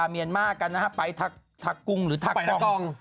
เมียนมาร์กันนะฮะไปทากรุงหรือทากอง